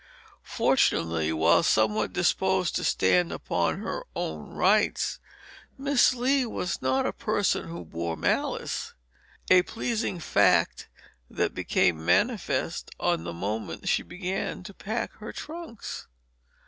Fortunately, while somewhat disposed to stand upon her own rights, Miss Lee was not a person who bore malice; a pleasing fact that became manifest on the moment that she began to pack her trunks.